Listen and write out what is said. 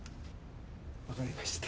分かりました。